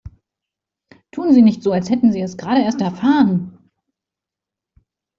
Tun Sie nicht so, als hätten Sie es gerade erst erfahren!